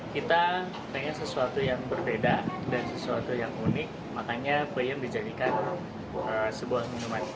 kita pengen sesuatu yang berbeda dan sesuatu yang unik makanya peyem dijadikan sebuah minuman